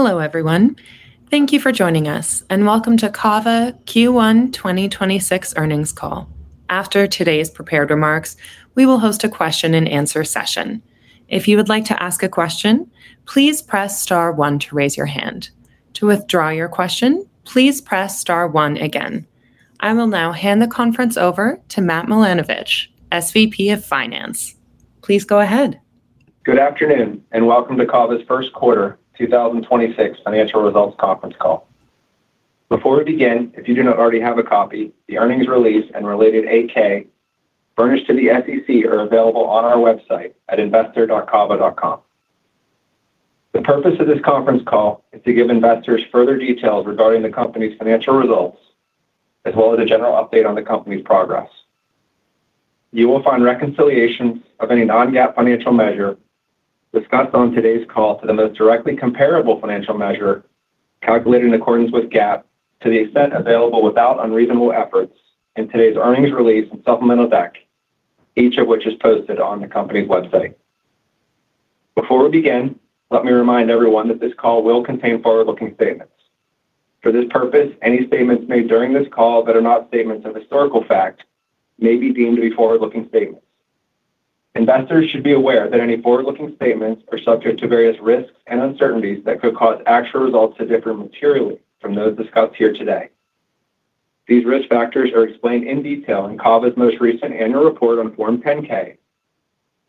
Hello, everyone. Thank you for joining us and welcome to Cava Q1 2026 earnings call. After today's prepared remarks, we will host a question and answer session. I will now hand the conference over to Matt Milanovich, SVP of Finance. Please go ahead. Good afternoon and welcome to Cava's first quarter 2026 financial results conference call. Before we begin, if you do not already have a copy, the earnings release and related 8-K furnished to the SEC are available on our website at investor.cava.com. The purpose of this conference call is to give investors further details regarding the company's financial results, as well as a general update on the company's progress. You will find reconciliations of any non-GAAP financial measure discussed on today's call to the most directly comparable financial measure calculated in accordance with GAAP to the extent available without unreasonable efforts in today's earnings release and supplemental deck, each of which is posted on the company's website. Before we begin, let me remind everyone that this call will contain forward-looking statements. For this purpose, any statements made during this call that are not statements of historical fact may be deemed to be forward-looking statements. Investors should be aware that any forward-looking statements are subject to various risks and uncertainties that could cause actual results to differ materially from those discussed here today. These risk factors are explained in detail in Cava's most recent annual report on Form 10-K,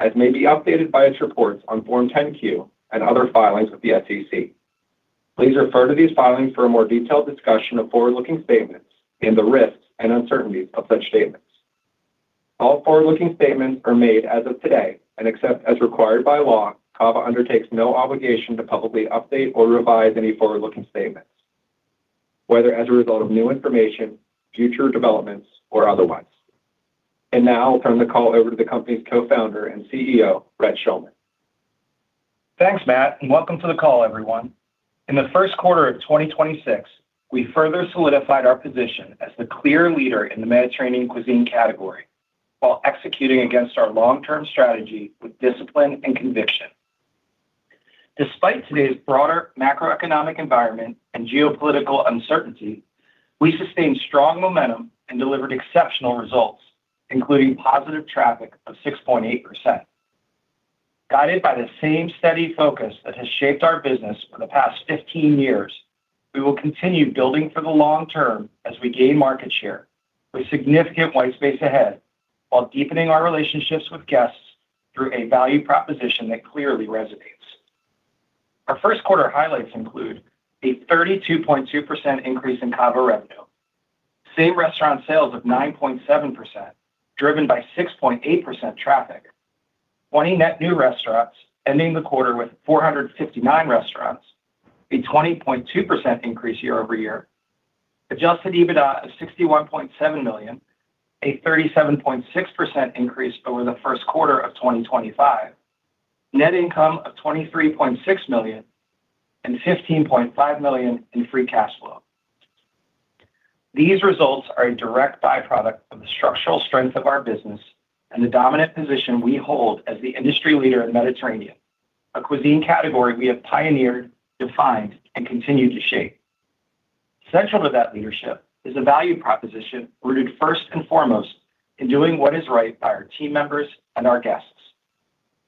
as may be updated by its reports on Form 10-Q and other filings with the SEC. Please refer to these filings for a more detailed discussion of forward-looking statements and the risks and uncertainties of such statements. All forward-looking statements are made as of today. Except as required by law, Cava undertakes no obligation to publicly update or revise any forward-looking statements, whether as a result of new information, future developments or otherwise. Now I'll turn the call over to the company's Co-Founder and CEO, Brett Schulman. Thanks, Matt, and welcome to the call everyone. In the first quarter of 2026, we further solidified our position as the clear leader in the Mediterranean cuisine category while executing against our long-term strategy with discipline and conviction. Despite today's broader macroeconomic environment and geopolitical uncertainty, we sustained strong momentum and delivered exceptional results, including positive traffic of 6.8%. Guided by the same steady focus that has shaped our business for the past 15 years, we will continue building for the long term as we gain market share with significant white space ahead while deepening our relationships with guests through a value proposition that clearly resonates. Our first quarter highlights include a 32.2% increase in Cava revenue, same-restaurant sales of 9.7% driven by 6.8% traffic. 20 net new restaurants ending the quarter with 459 restaurants, a 20.2% increase year-over-year. Adjusted EBITDA of $61.7 million, a 37.6% increase over the first quarter of 2025. Net income of $23.6 million and $15.5 million in free cash flow. These results are a direct byproduct of the structural strength of our business and the dominant position we hold as the industry leader in Mediterranean, a cuisine category we have pioneered, defined and continue to shape. Central to that leadership is a value proposition rooted first and foremost in doing what is right by our team members and our guests.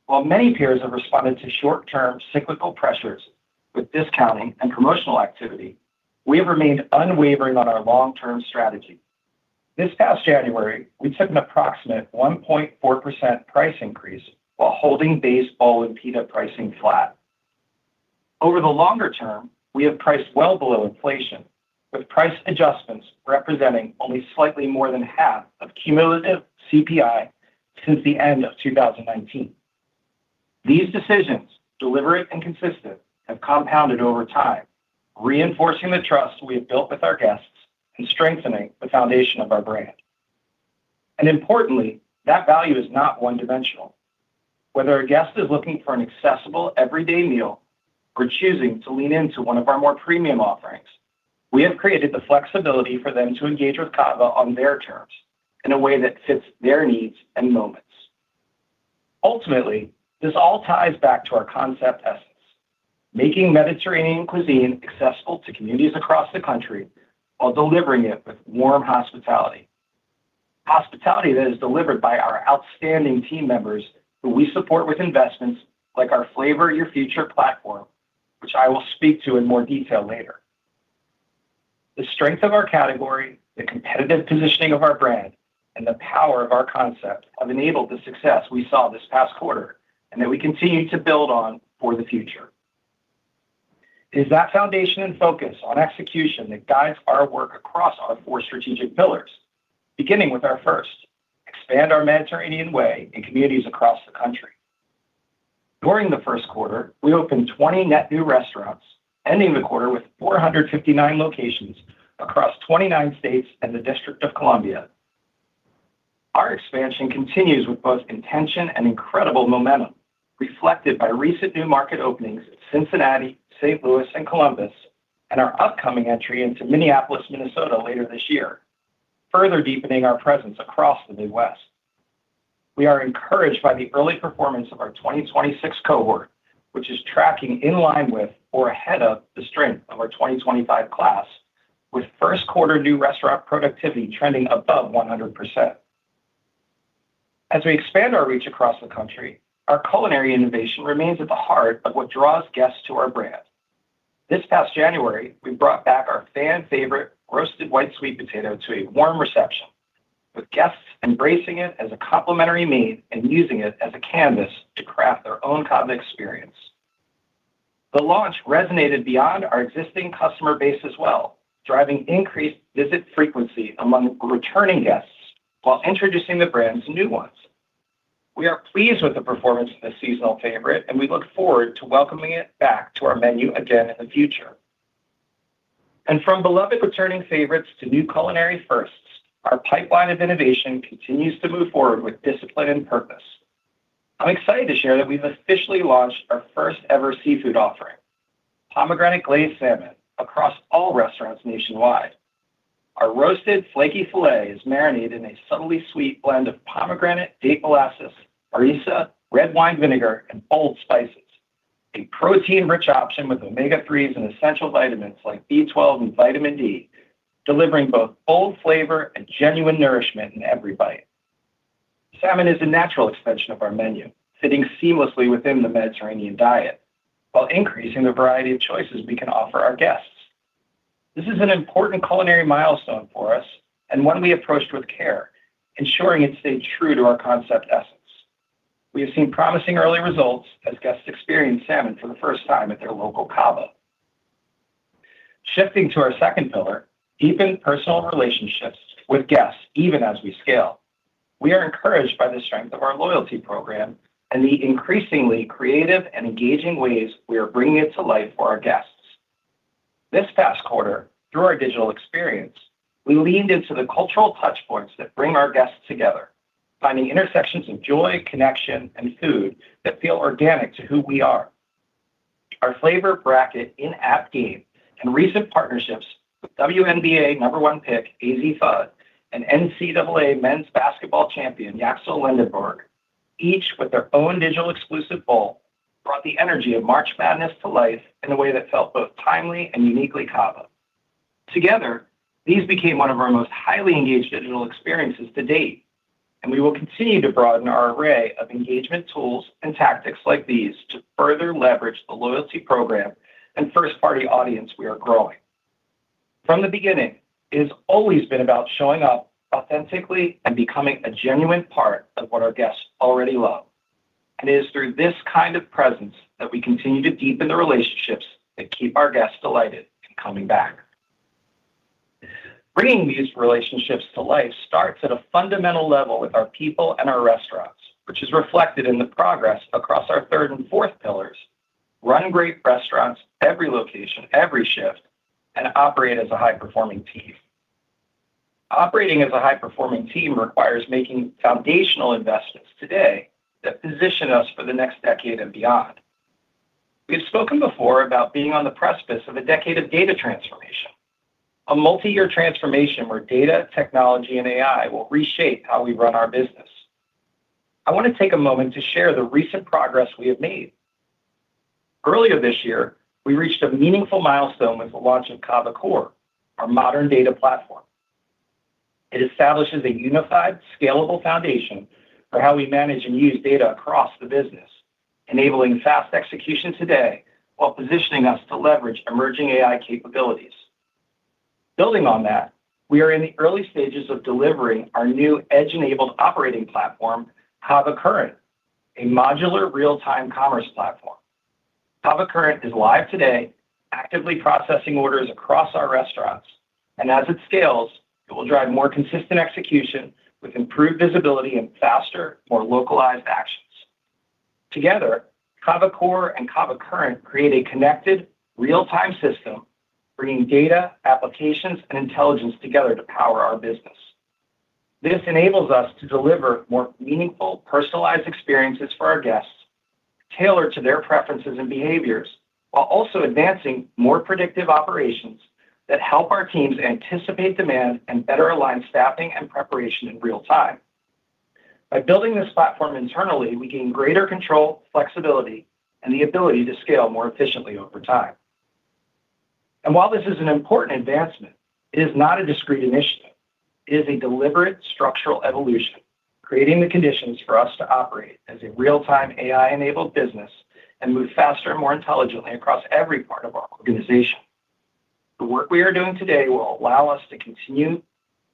While many peers have responded to short-term cyclical pressures with discounting and promotional activity, we have remained unwavering on our long-term strategy. This past January, we took an approximate 1.4% price increase while holding base bowl and pita pricing flat. Over the longer term, we have priced well below inflation, with price adjustments representing only slightly more than half of cumulative CPI since the end of 2019. These decisions, deliberate and consistent, have compounded over time, reinforcing the trust we have built with our guests and strengthening the foundation of our brand. Importantly, that value is not one-dimensional. Whether a guest is looking for an accessible everyday meal or choosing to lean into one of our more premium offerings, we have created the flexibility for them to engage with Cava on their terms in a way that fits their needs and moments. Ultimately, this all ties back to our concept essence: making Mediterranean cuisine accessible to communities across the country while delivering it with warm hospitality. Hospitality that is delivered by our outstanding team members who we support with investments like our Flavor Your Future platform, which I will speak to in more detail later. The strength of our category, the competitive positioning of our brand, and the power of our concept have enabled the success we saw this past quarter and that we continue to build on for the future. It is that foundation and focus on execution that guides our work across our four strategic pillars, beginning with our first, expand our Mediterranean way in communities across the country. During the first quarter, we opened 20 net new restaurants, ending the quarter with 459 locations across 29 states and the District of Columbia. Our expansion continues with both intention and incredible momentum, reflected by recent new market openings at Cincinnati, St. Louis and Columbus, and our upcoming entry into Minneapolis, Minnesota later this year, further deepening our presence across the Midwest. We are encouraged by the early performance of our 2026 cohort, which is tracking in line with or ahead of the strength of our 2025 class, with first quarter new restaurant productivity trending above 100%. As we expand our reach across the country, our culinary innovation remains at the heart of what draws guests to our brand. This past January, we brought back our fan favorite Roasted White Sweet Potato to a warm reception, with guests embracing it as a complementary meat and using it as a canvas to craft their own Cava experience. The launch resonated beyond our existing customer base as well, driving increased visit frequency among returning guests while introducing the brand to new ones. We are pleased with the performance of this seasonal favorite, and we look forward to welcoming it back to our menu again in the future. From beloved returning favorites to new culinary firsts, our pipeline of innovation continues to move forward with discipline and purpose. I'm excited to share that we've officially launched our first ever seafood offering, Pomegranate Glazed Salmon, across all restaurants nationwide. Our roasted flaky filet is marinated in a subtly sweet blend of pomegranate, date molasses, harissa, red wine vinegar, and bold spices. A protein-rich option with omega-3s and essential vitamins like B12 and vitamin D, delivering both bold flavor and genuine nourishment in every bite. Salmon is a natural extension of our menu, fitting seamlessly within the Mediterranean diet while increasing the variety of choices we can offer our guests. This is an important culinary milestone for us and one we approached with care, ensuring it stayed true to our concept essence. We have seen promising early results as guests experience salmon for the first time at their local Cava. Shifting to our second pillar, deepen personal relationships with guests even as we scale. We are encouraged by the strength of our loyalty program and the increasingly creative and engaging ways we are bringing it to life for our guests. This past quarter, through our digital experience, we leaned into the cultural touch points that bring our guests together, finding intersections of joy, connection, and food that feel organic to who we are. Our Flavor Bracket in-app game and recent partnerships with WNBA number one pick Azzi Fudd and NCAA men's basketball champion, Yaxel Lendeborg, each with their own digital exclusive bowl, brought the energy of March Madness to life in a way that felt both timely and uniquely Cava. Together, these became one of our most highly engaged digital experiences to date. We will continue to broaden our array of engagement tools and tactics like these to further leverage the loyalty program and first-party audience we are growing. From the beginning, it has always been about showing up authentically and becoming a genuine part of what our guests already love. It is through this kind of presence that we continue to deepen the relationships that keep our guests delighted and coming back. Bringing these relationships to life starts at a fundamental level with our people and our restaurants, which is reflected in the progress across our third and fourth pillars, run great restaurants every location, every shift, and operate as a high-performing team. Operating as a high-performing team requires making foundational investments today that position us for the next decade and beyond. We have spoken before about being on the precipice of a decade of data transformation, a multi-year transformation where data, technology, and AI will reshape how we run our business. I want to take a moment to share the recent progress we have made. Earlier this year, we reached a meaningful milestone with the launch of Cava Core, our modern data platform. It establishes a unified, scalable foundation for how we manage and use data across the business, enabling fast execution today while positioning us to leverage emerging AI capabilities. Building on that, we are in the early stages of delivering our new edge-enabled operating platform, Cava Current, a modular real-time commerce platform. Cava Current is live today, actively processing orders across our restaurants. As it scales, it will drive more consistent execution with improved visibility and faster, more localized actions. Together, Cava Core and Cava Current create a connected real-time system, bringing data, applications, and intelligence together to power our business. This enables us to deliver more meaningful, personalized experiences for our guests, tailored to their preferences and behaviors, while also advancing more predictive operations that help our teams anticipate demand and better align staffing and preparation in real time. By building this platform internally, we gain greater control, flexibility, and the ability to scale more efficiently over time. While this is an important advancement, it is not a discrete initiative. It is a deliberate structural evolution, creating the conditions for us to operate as a real-time AI-enabled business and move faster and more intelligently across every part of our organization. The work we are doing today will allow us to continue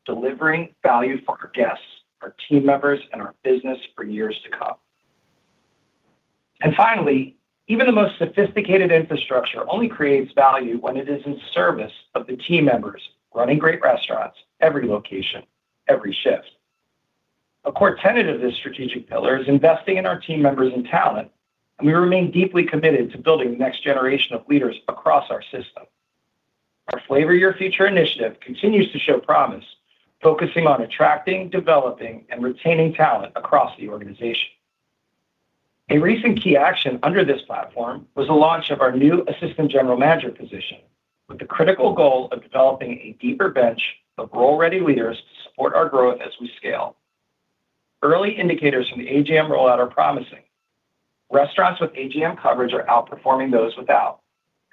delivering value for our guests, our team members, and our business for years to come. Finally, even the most sophisticated infrastructure only creates value when it is in service of the team members running great restaurants, every location, every shift. A core tenet of this strategic pillar is investing in our team members and talent, and we remain deeply committed to building the next generation of leaders across our system. Our Flavor Your Future initiative continues to show promise, focusing on attracting, developing, and retaining talent across the organization. A recent key action under this platform was the launch of our new assistant general manager position, with the critical goal of developing a deeper bench of role-ready leaders to support our growth as we scale. Early indicators from the AGM rollout are promising. Restaurants with AGM coverage are outperforming those without,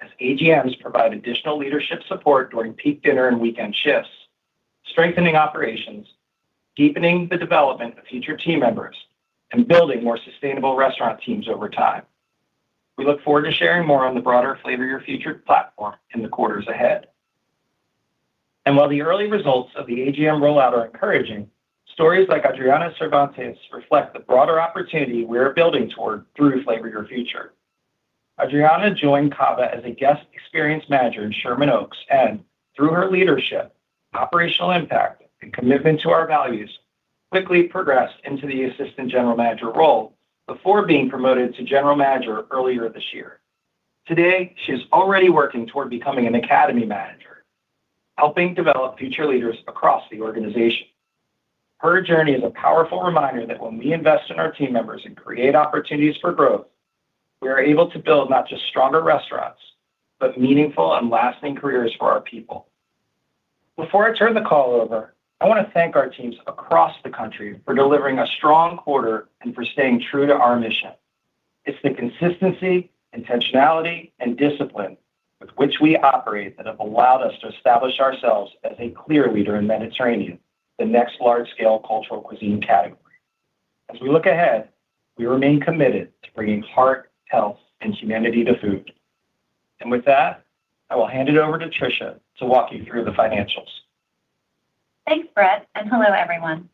as AGMs provide additional leadership support during peak dinner and weekend shifts, strengthening operations, deepening the development of future team members, and building more sustainable restaurant teams over time. We look forward to sharing more on the broader Flavor Your Future platform in the quarters ahead. While the early results of the AGM rollout are encouraging, stories like Adriana Cervantes reflect the broader opportunity we are building toward through Flavor Your Future. Adriana joined Cava as a guest experience manager in Sherman Oaks and, through her leadership, operational impact, and commitment to our values, quickly progressed into the assistant general manager role before being promoted to general manager earlier this year. Today, she is already working toward becoming an academy manager, helping develop future leaders across the organization. Her journey is a powerful reminder that when we invest in our team members and create opportunities for growth, we are able to build not just stronger restaurants, but meaningful and lasting careers for our people. Before I turn the call over, I want to thank our teams across the country for delivering a strong quarter and for staying true to our mission. It's the consistency, intentionality, and discipline with which we operate that have allowed us to establish ourselves as a clear leader in Mediterranean, the next large-scale cultural cuisine category. As we look ahead, we remain committed to bringing heart, health, and humanity to food. With that, I will hand it over to Tricia to walk you through the financials. Thanks, Brett. Hello, everyone.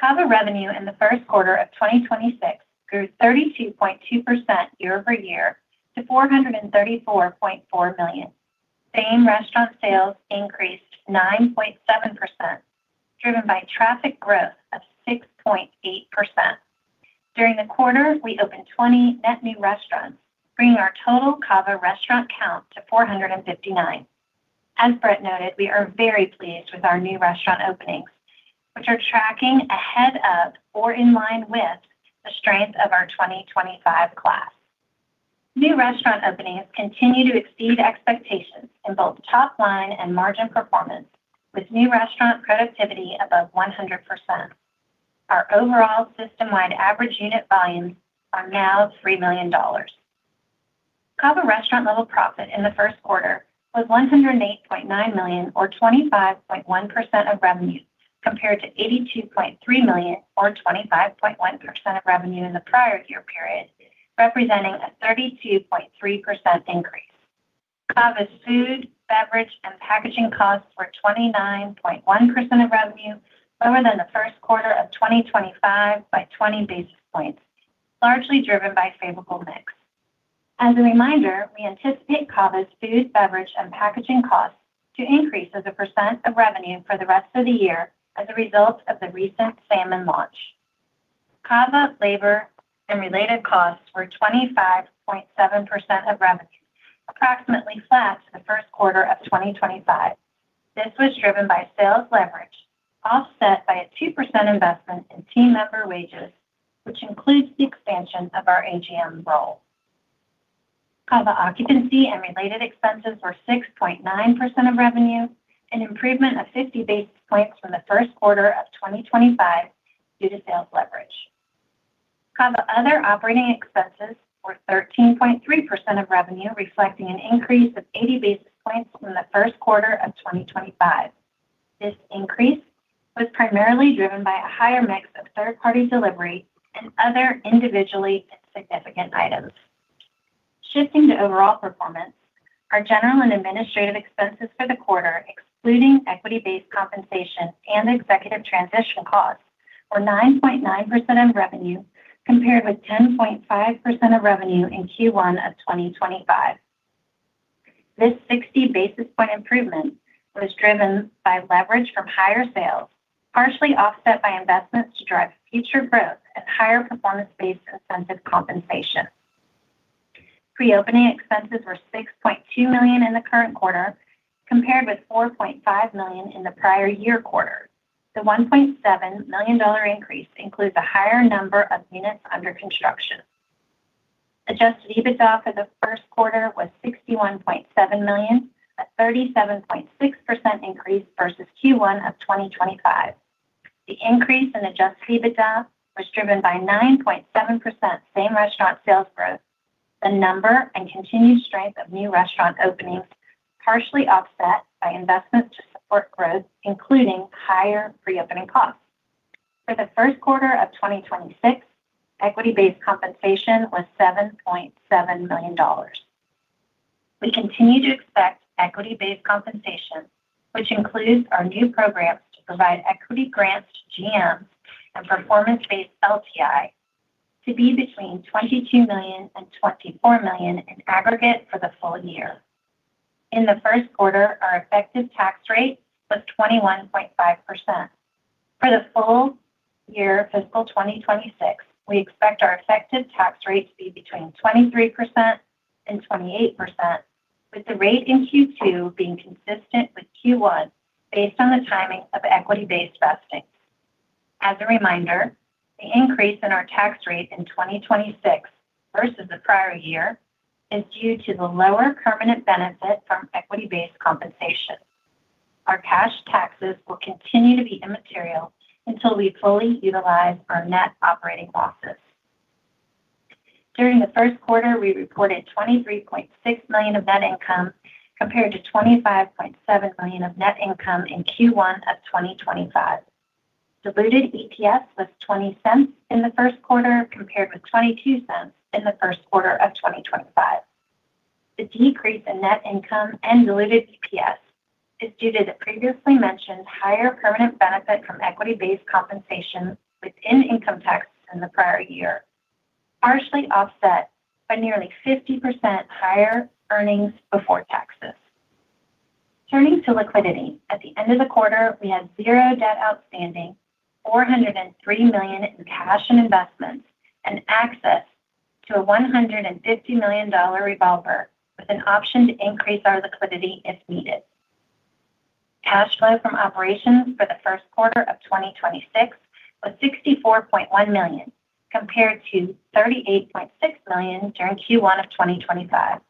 Cava revenue in the first quarter of 2026 grew 32.2% year-over-year to $434.4 million. Same restaurant sales increased 9.7%, driven by traffic growth of 6.8%. During the quarter, we opened 20 net new restaurants, bringing our total Cava restaurant count to 459. As Brett noted, we are very pleased with our new restaurant openings, which are tracking ahead of or in line with the strength of our 2025 class. New restaurant openings continue to exceed expectations in both top line and margin performance, with new restaurant productivity above 100%. Our overall system-wide average unit volumes are now $3 million. Cava restaurant level profit in the first quarter was $108.9 million or 25.1% of revenue, compared to $82.3 million or 25.1% of revenue in the prior year period, representing a 32.3% increase. Cava's food, beverage, and packaging costs were 29.1% of revenue, lower than the first quarter of 2025 by 20 basis points, largely driven by favorable mix. As a reminder, we anticipate Cava's food, beverage, and packaging costs to increase as a percent of revenue for the rest of the year as a result of the recent salmon launch. Cava labor and related costs were 25.7% of revenue, approximately flat to the first quarter of 2025. This was driven by sales leverage, offset by a 2% investment in team member wages, which includes the expansion of our AGM role. Cava occupancy and related expenses were 6.9% of revenue, an improvement of 50 basis points from the first quarter of 2025 due to sales leverage. Cava other operating expenses were 13.3% of revenue, reflecting an increase of 80 basis points from the first quarter of 2025. This increase was primarily driven by a higher mix of third-party delivery and other individually insignificant items. Shifting to overall performance, our general and administrative expenses for the quarter, excluding equity-based compensation and executive transition costs, were 9.9% of revenue, compared with 10.5% of revenue in Q1 of 2025. This 60 basis point improvement was driven by leverage from higher sales, partially offset by investments to drive future growth and higher performance-based incentive compensation. Pre-opening expenses were $6.2 million in the current quarter, compared with $4.5 million in the prior year quarter. The $1.7 million dollar increase includes a higher number of units under construction. Adjusted EBITDA for the first quarter was $61.7 million, a 37.6% increase versus Q1 of 2025. The increase in Adjusted EBITDA was driven by 9.7% same restaurant sales growth, the number and continued strength of new restaurant openings, partially offset by investments to support growth, including higher pre-opening costs. For the first quarter of 2026, equity-based compensation was $7.7 million dollars. We continue to expect equity-based compensation, which includes our new programs to provide equity grants to GM and performance-based LTI to be between $22 million and $24 million in aggregate for the full year. In the first quarter, our effective tax rate was 21.5%. For the full year fiscal 2026, we expect our effective tax rate to be between 23% and 28%. With the rate in Q2 being consistent with Q1 based on the timing of equity-based vesting. As a reminder, the increase in our tax rate in 2026 versus the prior year is due to the lower permanent benefit from equity-based compensation. Our cash taxes will continue to be immaterial until we fully utilize our net operating losses. During the first quarter, we reported $23.6 million of net income compared to $25.7 million of net income in Q1 of 2025. Diluted EPS was $0.20 in the first quarter compared with $0.22 in the first quarter of 2025. The decrease in net income and diluted EPS is due to the previously mentioned higher permanent benefit from equity-based compensation within income tax in the prior year, partially offset by nearly 50% higher earnings before taxes. Turning to liquidity. At the end of the quarter, we had 0 debt outstanding, $403 million in cash and investments, and access to a $150 million revolver with an option to increase our liquidity if needed. Cash flow from operations for the first quarter of 2026 was $64.1 million, compared to $38.6 million during Q1 of 2025.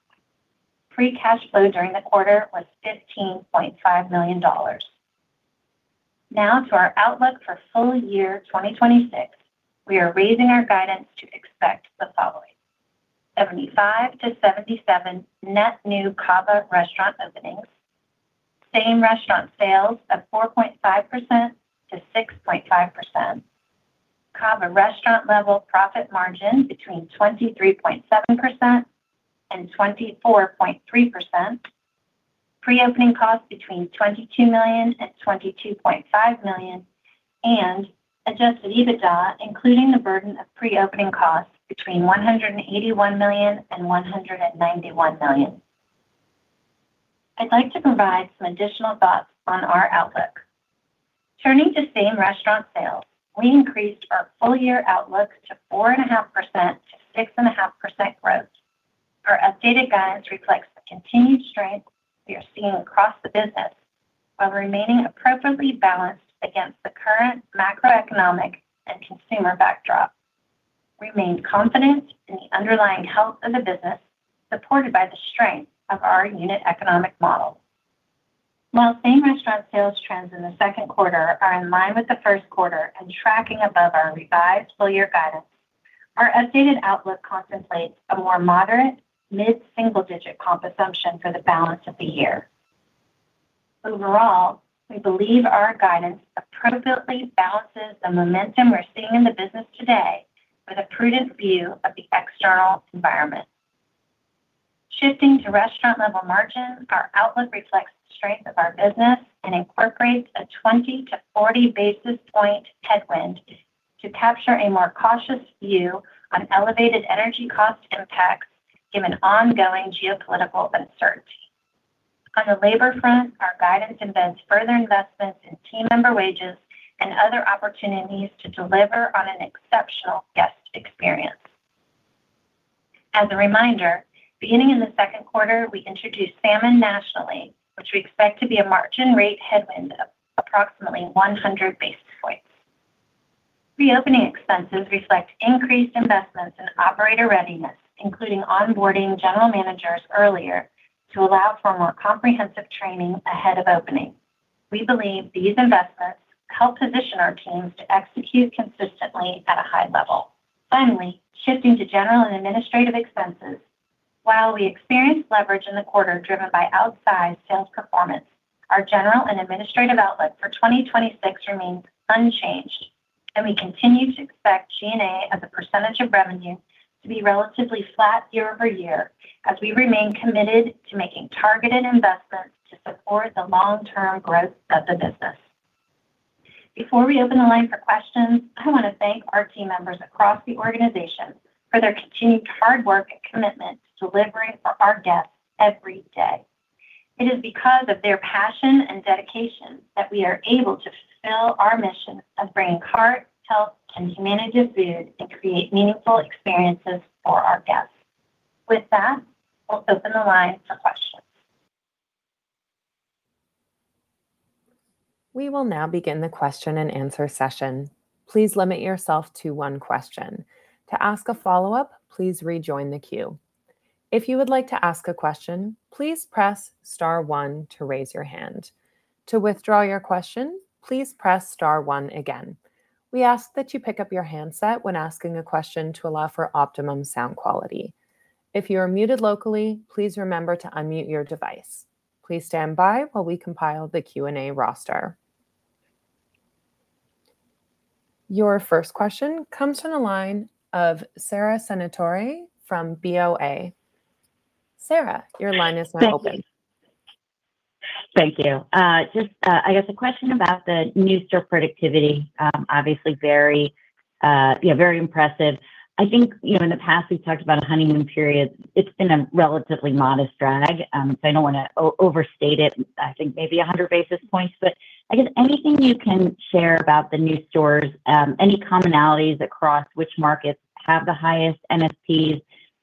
Free cash flow during the quarter was $15.5 million. Now to our outlook for full year 2026. We are raising our guidance to expect the following: 75-77 net new Cava restaurant openings. Same restaurant sales of 4.5%-6.5%. Cava restaurant level profit margin between 23.7% and 24.3%. Pre-opening costs between $22 million and $22.5 million. Adjusted EBITDA, including the burden of pre-opening costs between $181 million and $191 million. I'd like to provide some additional thoughts on our outlook. Turning to same-restaurant sales, we increased our full year outlook to 4.5%-6.5% growth. Our updated guidance reflects the continued strength we are seeing across the business while remaining appropriately balanced against the current macroeconomic and consumer backdrop. We remain confident in the underlying health of the business, supported by the strength of our unit economic model. While same-restaurant sales trends in the second quarter are in line with the first quarter and tracking above our revised full year guidance, our updated outlook contemplates a more moderate mid-single-digit comp assumption for the balance of the year. Overall, we believe our guidance appropriately balances the momentum we're seeing in the business today with a prudent view of the external environment. Shifting to restaurant level margins, our outlook reflects the strength of our business and incorporates a 20 to 40 basis point headwind to capture a more cautious view on elevated energy cost impacts given ongoing geopolitical uncertainty. On the labor front, our guidance embeds further investments in team member wages and other opportunities to deliver on an exceptional guest experience. As a reminder, beginning in the second quarter, we introduced salmon nationally, which we expect to be a margin rate headwind of approximately 100 basis points. Reopening expenses reflect increased investments in operator readiness, including onboarding general managers earlier to allow for more comprehensive training ahead of opening. We believe these investments help position our teams to execute consistently at a high level. Finally, shifting to general and administrative expenses. While we experienced leverage in the quarter driven by outsized sales performance, our General and Administrative outlook for 2026 remains unchanged, and we continue to expect G&A as a percent of revenue to be relatively flat year-over-year as we remain committed to making targeted investments to support the long-term growth of the business. Before we open the line for questions, I want to thank our team members across the organization for their continued hard work and commitment to delivering for our guests every day. It is because of their passion and dedication that we are able to fulfill our mission of bringing heart, health, and humanity to food and create meaningful experiences for our guests. With that, we'll open the line for questions. We will now begin the question and answer session. Please limit yourself to one question. To ask a follow-up, please rejoin the queue. If you would like to ask a question, please press star one to raise your hand. To withdraw your question, please press star one again. We ask that you pick up your handset when asking a question to allow for optimum sound quality. If you are muted locally, please remember to unmute your device. Please standby as we compile the Q&A roster. Your first question comes from the line of Sara Senatore from BofA. Sara, your line is now open. Thank you. Thank you. Just, I guess a question about the new store productivity. Obviously, very impressive. I think, you know, in the past, we've talked about a honeymoon period. It's been a relatively modest drag. I don't wanna overstate it. I think maybe 100 basis points. I guess anything you can share about the new stores, any commonalities across which markets have the highest NSPs,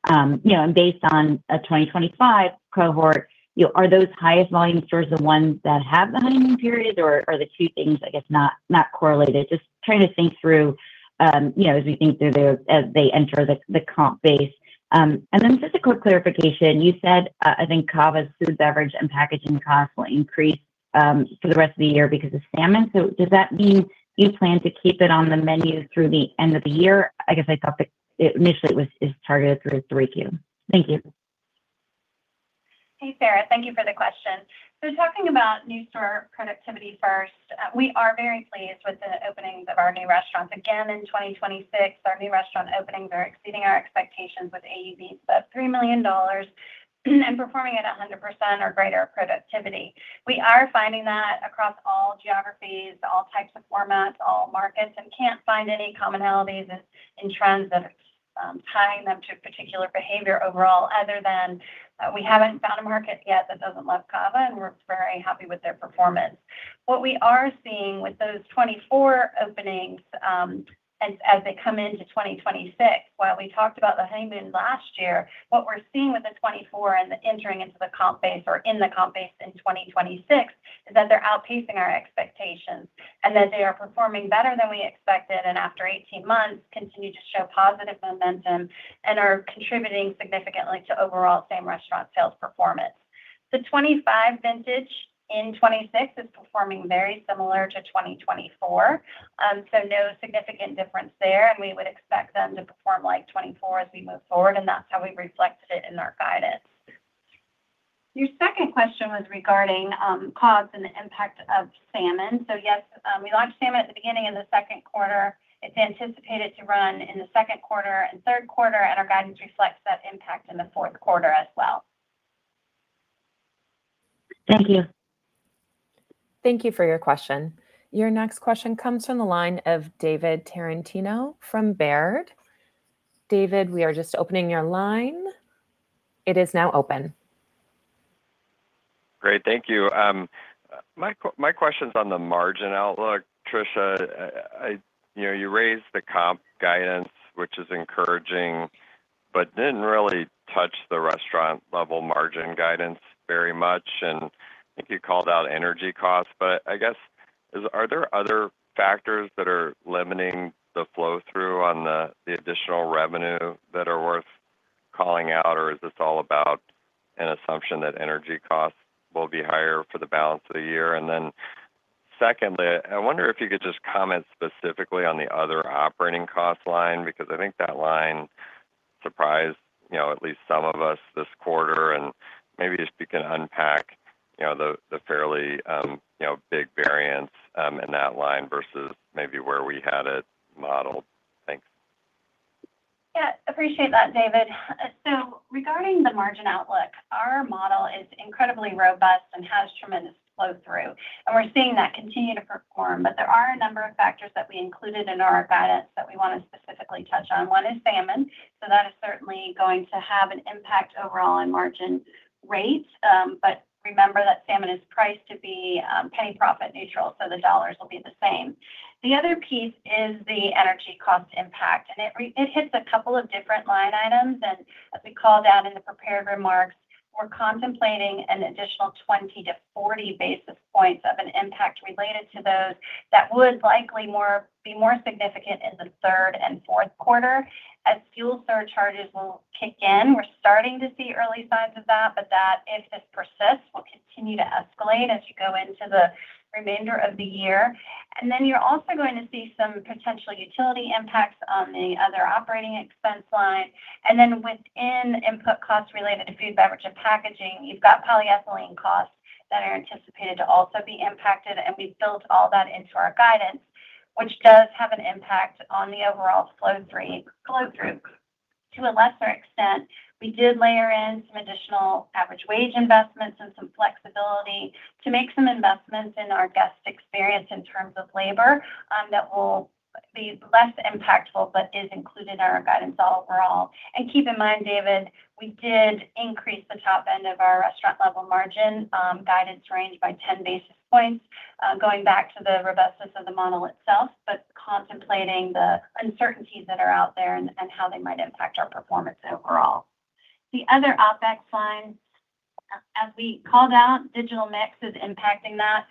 you know, and based on a 2025 cohort, you know, are those highest volume stores the ones that have the honeymoon period, or are the two things, I guess, not correlated? Just trying to think through, you know, as we think through as they enter the comp base. Just a quick clarification. You said, I think Cava's food, beverage, and packaging costs will increase for the rest of the year because of salmon. Does that mean you plan to keep it on the menu through the end of the year? I guess I thought that it initially was, is targeted through 3Q. Thank you. Hey, Sara, thank you for the question. Talking about new store productivity first, we are very pleased with the openings of our new restaurants. Again, in 2026, our new restaurant openings are exceeding our expectations with AUVs of $3 million and performing at 100% or greater productivity. We are finding that across all geographies, all types of formats, all markets, and can't find any commonalities in trends that are tying them to particular behavior overall other than we haven't found a market yet that doesn't love Cava, and we're very happy with their performance. What we are seeing with those 2024 openings, as they come into 2026, while we talked about the honeymoon last year, what we're seeing with the 2024 and the entering into the comp base or in the comp base in 2026 is that they're outpacing our expectations. That they are performing better than we expected and after 18 months continue to show positive momentum and are contributing significantly to overall same restaurant sales performance. The 2025 vintage in 2026 is performing very similar to 2024. No significant difference there, and we would expect them to perform like 2024 as we move forward, and that's how we reflected it in our guidance. Your second question was regarding costs and the impact of salmon. Yes, we launched salmon at the beginning of the second quarter. It's anticipated to run in the second quarter and third quarter, and our guidance reflects that impact in the fourth quarter as well. Thank you. Thank you for your question. Your next question comes from the line of David Tarantino from Baird. David, we are just opening your line. It is now open. Great. Thank you. My question's on the margin outlook. Tricia, you know, you raised the comp guidance, which is encouraging, but didn't really touch the restaurant-level margin guidance very much. I think you called out energy costs. I guess, are there other factors that are limiting the flow-through on the additional revenue that are worth calling out, or is this all about an assumption that energy costs will be higher for the balance of the year? Secondly, I wonder if you could just comment specifically on the other operating cost line, because I think that line surprised, you know, at least some of us this quarter. Maybe if you can unpack, you know, the fairly, you know, big variance in that line versus maybe where we had it modeled. Thanks. Yeah, appreciate that, David. Regarding the margin outlook, our model is incredibly robust and has tremendous flow-through, and we're seeing that continue to perform. There are a number of factors that we included in our guidance that we wanna specifically touch on. One is salmon. That is certainly going to have an impact overall on margin rates. Remember that salmon is priced to be penny profit neutral, the dollars will be the same. The other piece is the energy cost impact, and it hits a couple of different line items. As we called out in the prepared remarks, we're contemplating an additional 20 to 40 basis points of an impact related to those that would likely be more significant in the third and fourth quarter as fuel surcharges will kick in. That, if this persists, will continue to escalate as you go into the remainder of the year. You're also going to see some potential utility impacts on the other operating expense line. Within input costs related to food, beverage, and packaging, you've got polyethylene costs that are anticipated to also be impacted. We've built all that into our guidance, which does have an impact on the overall flow through. To a lesser extent, we did layer in some additional average wage investments and some flexibility to make some investments in our guest experience in terms of labor that will be less impactful but is included in our guidance overall. Keep in mind, David, we did increase the top end of our restaurant level margin guidance range by 10 basis points, going back to the robustness of the model itself, but contemplating the uncertainties that are out there and how they might impact our performance overall. The other OpEx line, as we called out, digital mix is impacting that.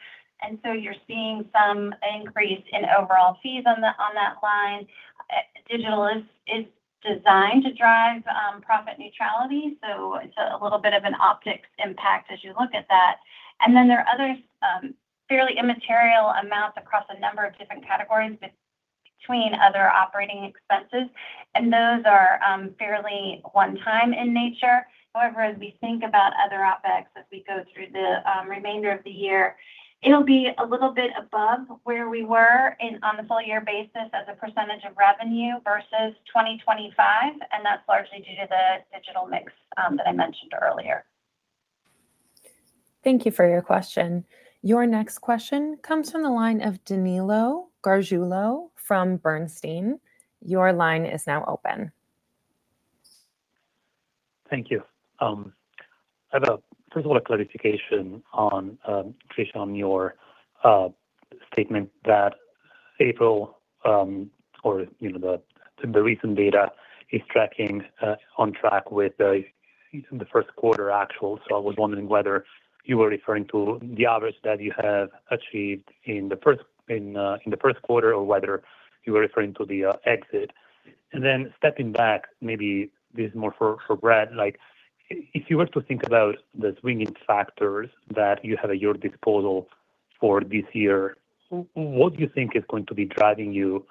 You're seeing some increase in overall fees on that line. Digital is designed to drive profit neutrality, so it's a little bit of an optics impact as you look at that. There are other, fairly immaterial amounts across a number of different categories between other operating expenses, and those are fairly one-time in nature. However, as we think about other OpEx as we go through the remainder of the year, it'll be a little bit above where we were on the full year basis as a percent of revenue versus 2025, and that's largely due to the digital mix, that I mentioned earlier. Thank you for your question. Your next question comes from the line of Danilo Gargiulo from Bernstein. Your line is now open. Thank you. I have a first of all a clarification on Tricia, on your statement that April, or, you know, the recent data is tracking on track with the first quarter actual. I was wondering whether you were referring to the average that you have achieved in the first, in the first quarter or whether you were referring to the exit? Then stepping back, maybe this is more for Brett, like if you were to think about the swinging factors that you have at your disposal for this year, what do you think is going to be driving you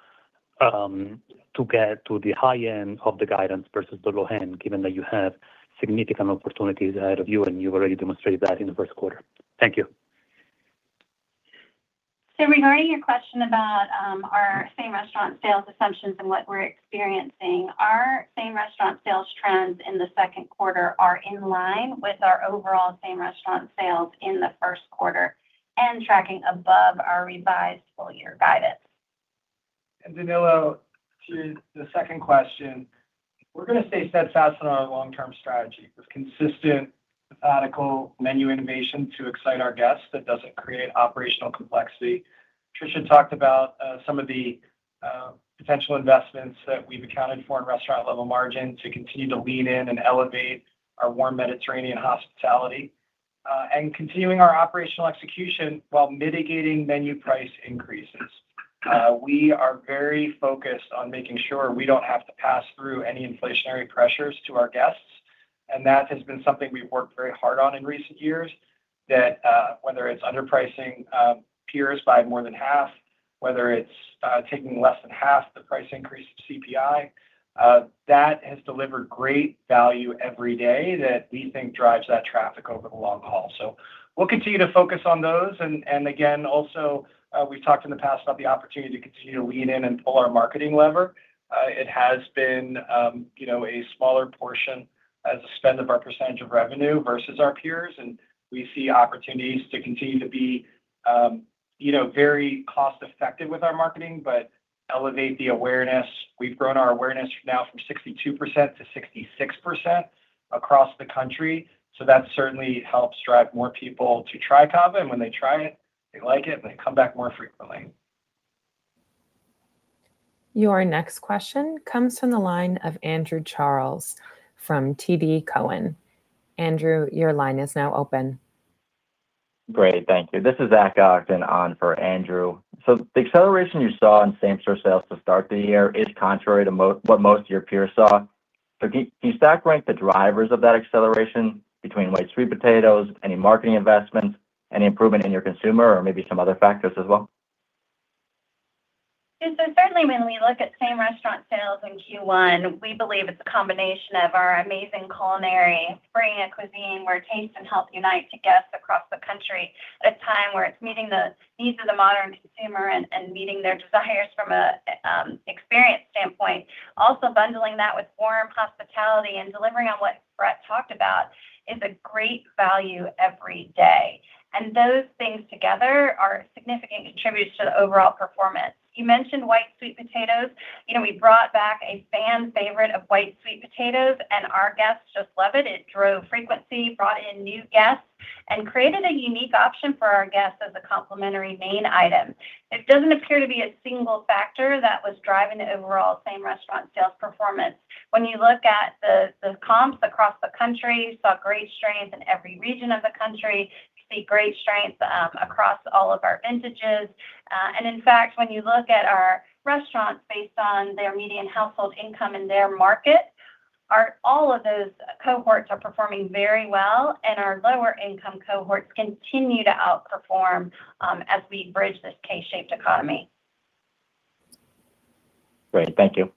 to get to the high end of the guidance versus the low end, given that you have significant opportunities ahead of you and you've already demonstrated that in the first quarter? Thank you. Regarding your question about our same restaurant sales assumptions and what we're experiencing, our same restaurant sales trends in the second quarter are in line with our overall same restaurant sales in the first quarter and tracking above our revised full year guidance. Danilo, to the second question, we're gonna stay steadfast in our long-term strategy with consistent, methodical menu innovation to excite our guests that doesn't create operational complexity. Tricia talked about some of the potential investments that we've accounted for in restaurant level margin to continue to lean in and elevate our warm Mediterranean hospitality, and continuing our operational execution while mitigating menu price increases. We are very focused on making sure we don't have to pass through any inflationary pressures to our guests, and that has been something we've worked very hard on in recent years that, whether it's underpricing peers by more than half, whether it's taking less than half the price increase of CPI, that has delivered great value every day that we think drives that traffic over the long haul. We'll continue to focus on those. Again, also, we've talked in the past about the opportunity to continue to lean in and pull our marketing lever. It has been, you know, a smaller portion as a spend of our percentage of revenue versus our peers, and we see opportunities to continue to be, you know, very cost effective with our marketing, but elevate the awareness. We've grown our awareness now from 62% to 66% across the country. That certainly helps drive more people to try Cava. When they try it, they like it, and they come back more frequently. Your next question comes from the line of Andrew Charles from TD Cowen. Andrew, your line is now open. Great. Thank you. This is Zach Ogden on for Andrew. The acceleration you saw in same store sales to start the year is contrary to what most of your peers saw. Can you stack rank the drivers of that acceleration between Roasted White Sweet Potato, any marketing investments, any improvement in your consumer or maybe some other factors as well? Yes. Certainly when we look at same restaurant sales in Q1, we believe it's a combination of our amazing culinary spring and cuisine where taste and health unite to guests across the country at a time where it's meeting the needs of the modern consumer and meeting their desires from an experience standpoint. Bundling that with warm hospitality and delivering on what Brett talked about is a great value every day. Those things together are significant contributors to the overall performance. You mentioned White Sweet Potatoes. You know, we brought back a fan favorite of White Sweet Potatoes, and our guests just love it. It drove frequency, brought in new guests, and created a unique option for our guests as a complimentary main item. It doesn't appear to be a single factor that was driving the overall same restaurant sales performance. When you look at the comps across the country, saw great strength in every region of the country. You see great strength across all of our vintages. In fact, when you look at our restaurants based on their median household income in their market, all of those cohorts are performing very well, and our lower income cohorts continue to outperform as we bridge this K-shaped economy. Great. Thank you.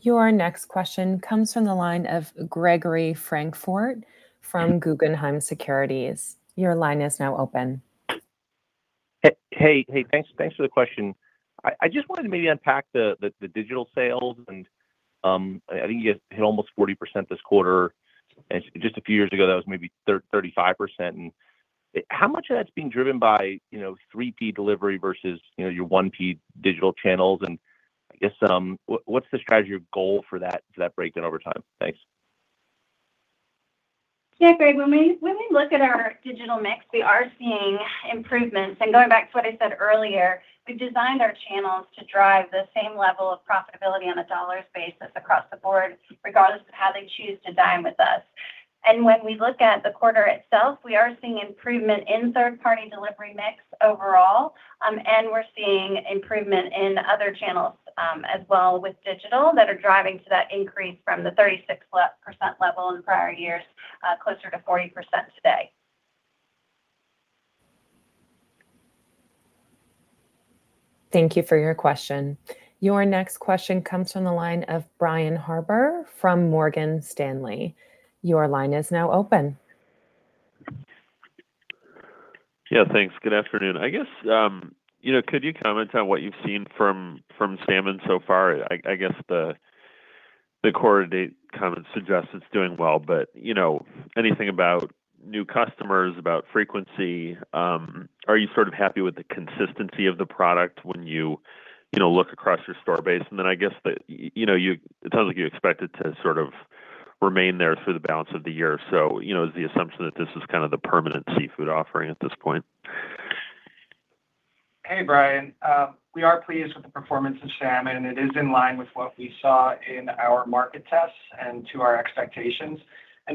Your next question comes from the line of Gregory Francfort from Guggenheim Securities. Your line is now open. Hey, thanks for the question. I just wanted to maybe unpack the digital sales and, I think you hit almost 40% this quarter. Just a few years ago, that was maybe 35%. How much of that's being driven by, you know, 3P delivery versus, you know, your 1P digital channels? I guess, what's the strategy or goal for that breakdown over time? Thanks. Yeah, Greg, when we look at our digital mix, we are seeing improvements. Going back to what I said earlier, we've designed our channels to drive the same level of profitability on a dollars basis across the board, regardless of how they choose to dine with us. When we look at the quarter itself, we are seeing improvement in third party delivery mix overall. We're seeing improvement in other channels, as well with digital that are driving to that increase from the 36% level in prior years, closer to 40% today. Thank you for your question. Your next question comes from the line of Brian Harbour from Morgan Stanley. Your line is now open. Yeah, thanks. Good afternoon. I guess, you know, could you comment on what you've seen from Pomegranate Glazed Salmon so far? I guess the quarter date kind of suggests it's doing well, but you know, anything about new customers, about frequency? Are you sort of happy with the consistency of the product when you know, look across your store base? Then I guess that, you know, you-- it sounds like you expect it to sort of remain there through the balance of the year. You know, is the assumption that this is kind of the permanent seafood offering at this point? Hey, Brian. We are pleased with the performance of salmon, and it is in line with what we saw in our market tests and to our expectations.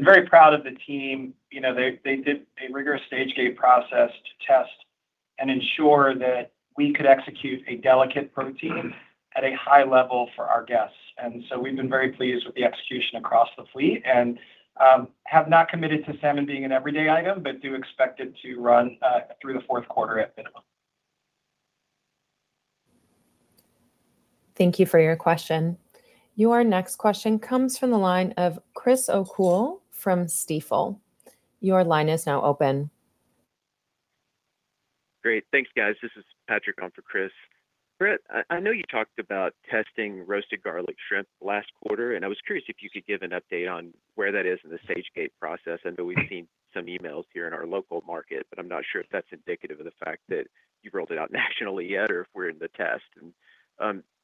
Very proud of the team. You know, they did a rigorous stage gate process to test and ensure that we could execute a delicate protein at a high level for our guests. We've been very pleased with the execution across the fleet and have not committed to salmon being an everyday item, but do expect it to run through the fourth quarter at minimum. Thank you for your question. Your next question comes from the line of Chris O'Cull from Stifel. Your line is now open. Great. Thanks, guys. This is Patrick on for Chris. Brett, I know you talked about testing Roasted Garlic Shrimp last quarter, and I was curious if you could give an update on where that is in the stage gate process. I know we've seen some emails here in our local market, but I'm not sure if that's indicative of the fact that you've rolled it out nationally yet, or if we're in the test.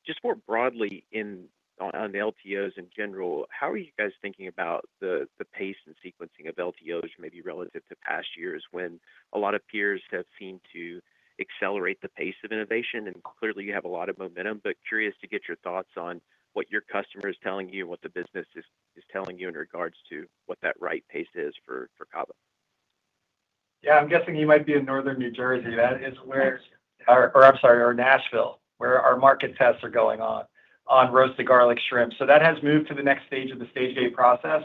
Just more broadly on LTOs in general, how are you guys thinking about the pace and sequencing of LTOs, maybe relative to past years when a lot of peers have seemed to accelerate the pace of innovation? Clearly you have a lot of momentum, but curious to get your thoughts on what your customer is telling you, what the business is telling you in regards to what that right pace is for Cava. Yeah, I'm guessing you might be in Northern New Jersey. That is where or Nashville, where our market tests are going on Roasted Garlic Shrimp. That has moved to the next stage of the stage gate process.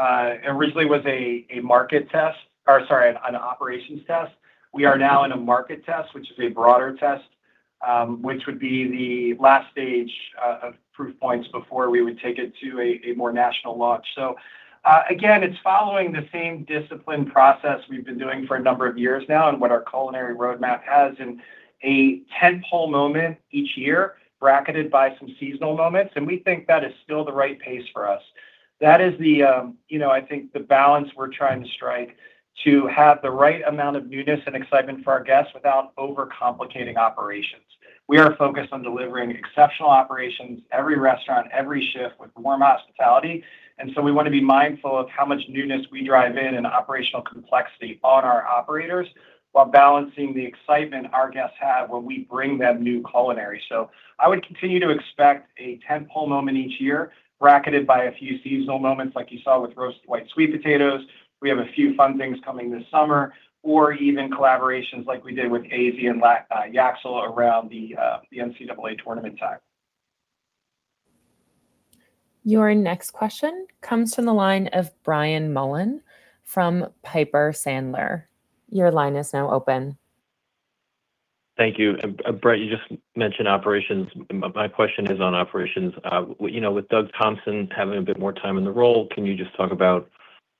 It originally was a market test or sorry, an operations test. We are now in a market test, which is a broader test, which would be the last stage of proof points before we would take it to a more national launch. Again, it's following the same disciplined process we've been doing for a number of years now and what our culinary roadmap has in a tentpole moment each year, bracketed by some seasonal moments, and we think that is still the right pace for us. That is the, you know, I think the balance we're trying to strike to have the right amount of newness and excitement for our guests without overcomplicating operations. We are focused on delivering exceptional operations, every restaurant, every shift with warm hospitality. We want to be mindful of how much newness we drive in and operational complexity on our operators, while balancing the excitement our guests have when we bring them new culinary. I would continue to expect a tentpole moment each year, bracketed by a few seasonal moments like you saw with Roasted White Sweet Potato. We have a few fun things coming this summer or even collaborations like we did with Azzi and Yaxel around the NCAA tournament time. Your next question comes from the line of Brian Mullan from Piper Sandler. Thank you. Brett, you just mentioned operations. My question is on operations. You know, with Doug Thompson having a bit more time in the role, can you just talk about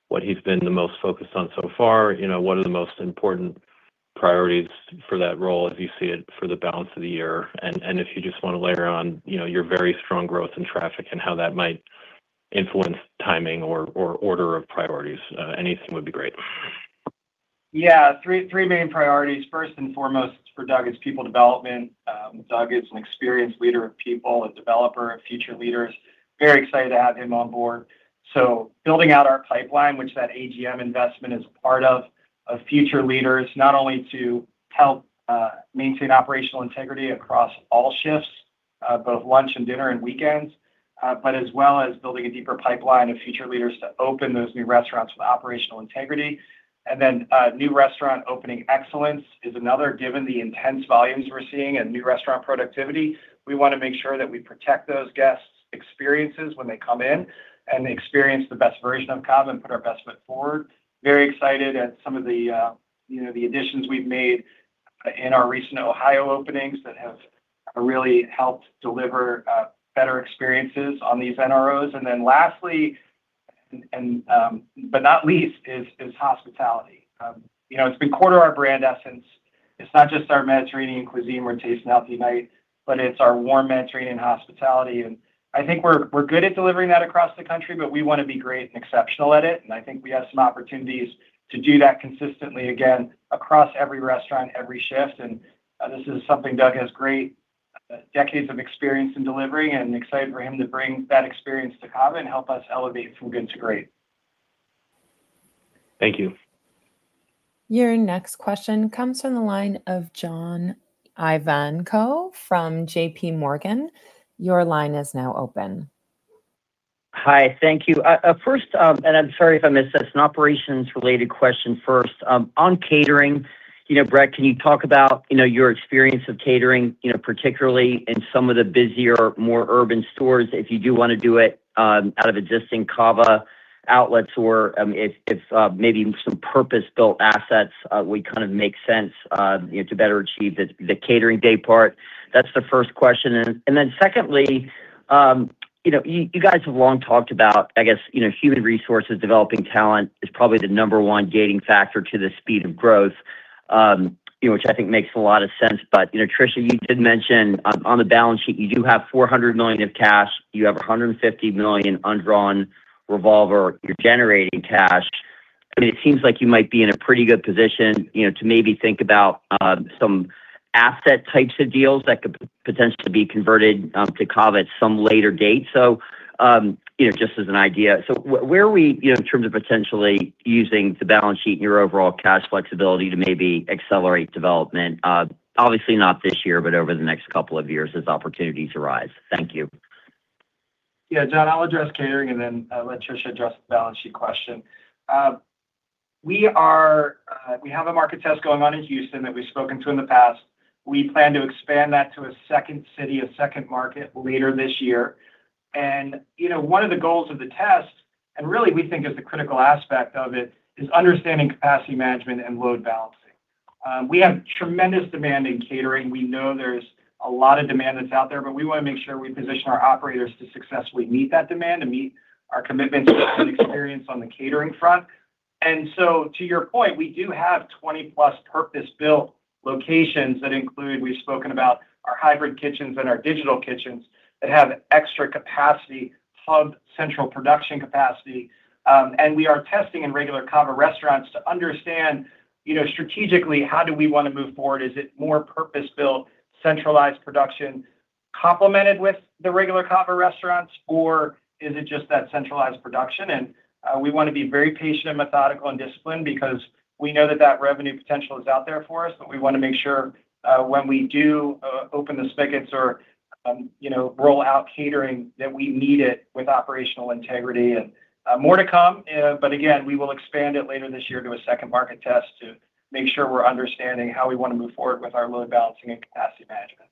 what he's been the most focused on so far? You know, what are the most important priorities for that role as you see it for the balance of the year? If you just want to layer on, you know, your very strong growth in traffic and how that might influence timing or order of priorities. Anything would be great. Three main priorities. First and foremost for Doug is people development. Doug is an experienced leader of people, a developer of future leaders. Very excited to have him on board. Building out our pipeline, which that AGM investment is part of future leaders, not only to help maintain operational integrity across all shifts, both lunch and dinner and weekends, but as well as building a deeper pipeline of future leaders to open those new restaurants with operational integrity. New restaurant opening excellence is another, given the intense volumes we're seeing and new restaurant productivity. We want to make sure that we protect those guests' experiences when they come in and they experience the best version of Cava and put our best foot forward. Very excited at some of the, you know, the additions we've made in our recent Ohio openings that have really helped deliver better experiences on these NROs. Lastly and, but not least is hospitality. You know, it's been core to our brand essence. It's not just our Mediterranean cuisine we're tasting out tonight, but it's our warm Mediterranean hospitality. I think we're good at delivering that across the country, but we want to be great and exceptional at it. I think we have some opportunities to do that consistently, again, across every restaurant, every shift. This is something Doug has great decades of experience in delivering, and excited for him to bring that experience to Cava and help us elevate from good to great. Thank you. Your next question comes from the line of John Ivankoe from JPMorgan. Your line is now open. Hi, thank you. First, and I'm sorry if I missed this, an operations related question first. On catering, you know, Brett, can you talk about, you know, your experience of catering, you know, particularly in some of the busier, more urban stores, if you do wanna do it, out of existing Cava outlets or, if, maybe some purpose-built assets, would kind of make sense, you know, to better achieve the catering day part? That's the first question. Secondly, you know, you guys have long talked about, I guess, you know, human resources, developing talent is probably the number 1 gating factor to the speed of growth, you know, which I think makes a lot of sense. You know, Tricia, you did mention on the balance sheet, you do have $400 million of cash, you have $150 million undrawn revolver, you're generating cash. I mean, it seems like you might be in a pretty good position, you know, to maybe think about some asset types of deals that could potentially be converted to Cava at some later date. You know, just as an idea. Where are we, you know, in terms of potentially using the balance sheet and your overall cash flexibility to maybe accelerate development? Obviously not this year, but over the next couple of years as opportunities arise. Thank you. John, I'll address catering and then let Tricia address the balance sheet question. We have a market test going on in Houston that we've spoken to in the past. We plan to expand that to a second city, a second market later this year. You know, one of the goals of the test, and really we think is the critical aspect of it, is understanding capacity management and load balancing. We have tremendous demand in catering. We know there's a lot of demand that's out there, we wanna make sure we position our operators to successfully meet that demand and meet our commitments and experience on the catering front. To your point, we do have 20-plus purpose-built locations that include, we've spoken about our hybrid kitchens and our digital kitchens that have extra capacity, hub, central production capacity. We are testing in regular Cava restaurants to understand, you know, strategically, how do we wanna move forward? Is it more purpose-built, centralized production complemented with the regular Cava restaurants, or is it just that centralized production? We wanna be very patient and methodical and disciplined because we know that that revenue potential is out there for us, but we wanna make sure, when we do open the spigots or, you know, roll out catering, that we meet it with operational integrity. More to come. Again, we will expand it later this year to a second market test to make sure we're understanding how we wanna move forward with our load balancing and capacity management.